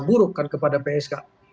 burukkan kepada psk